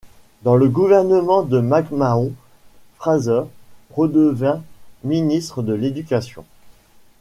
Dans le gouvernement McMahon, Fraser redevint ministre de l’Éducation.